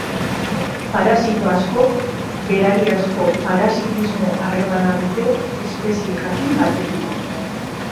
Parasito askok berariazko parasitismo-harremana dute espezie jakin batekiko.